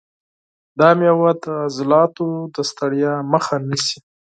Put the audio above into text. دا مېوه د عضلاتو د ستړیا مخه نیسي.